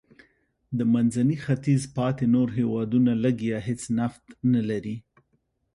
د منځني ختیځ پاتې نور هېوادونه لږ یا هېڅ نفت نه لري.